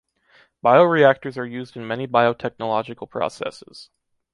Bioreactors are used in many biotechnological processes.